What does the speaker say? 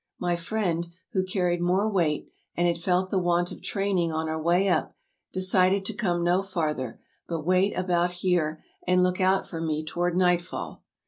My friend, who carried more weight, and had felt the want of training on our way up, decided to come no farther, but wait about here, and look out for me toward nightfall.